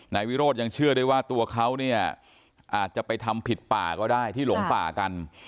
นายวิโรธยังเชื่อได้ว่าตัวเขาเนี่ยอาจจะไปทำผิดป่าก็ได้ที่หลงป่ากัน